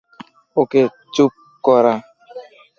ওকে চুপ করা।